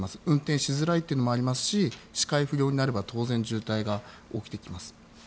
運転しづらいのもありますし視界不良になれば当然、渋滞が起きてきます。